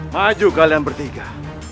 maju kalian bertiga